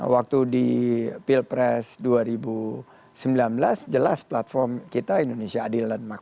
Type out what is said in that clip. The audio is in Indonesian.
waktu di pilpres dua ribu sembilan belas jelas platform kita indonesia adil dan makna